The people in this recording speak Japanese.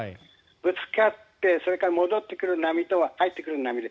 ぶつかってそれから戻ってくる波と帰ってくる波で。